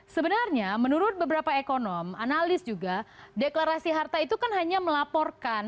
sebenarnya menurut beberapa ekonom analis juga deklarasi harta itu kan hanya melaporkan